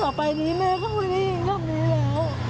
ต่อไปนี้แม่เขาไม่ได้ยินคำนี้แล้ว